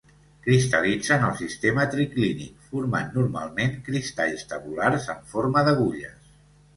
Cristal·litza en el sistema triclínic, formant normalment cristalls tabulars en forma d'agulles.